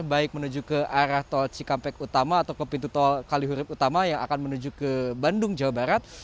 baik menuju ke arah tol cikampek utama atau ke pintu tol kalihurip utama yang akan menuju ke bandung jawa barat